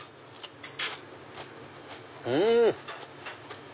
うん！